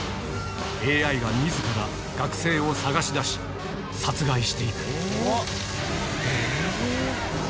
ＡＩはみずから学生を探し出し、殺害していく。